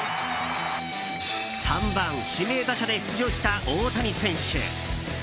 ３番指名打者で出場した大谷選手。